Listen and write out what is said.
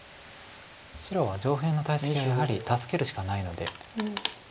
白は上辺の大石をやはり助けるしかないので。